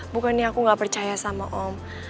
bukannya aku nggak percaya sama om